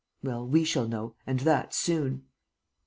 "Well, we shall know; and that soon."